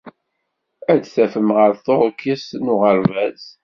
Ad tadfem ɣer tuṛkist n uɣerbaz.